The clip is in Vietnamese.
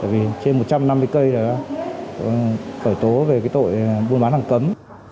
vì trên một trăm năm mươi cây đã khởi tố về cái tội buôn bán hàng cấm